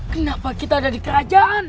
kenapa kita ada di kerajaan